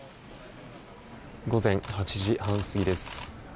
午前８時半過ぎです。